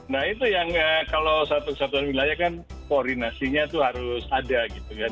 nah itu yang kalau satu kesatuan wilayah kan koordinasinya itu harus ada gitu kan